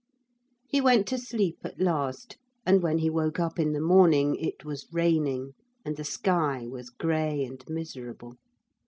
He went to sleep at last, and when he woke up in the morning it was raining, and the sky was grey and miserable.